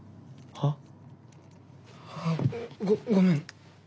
ああごごめん。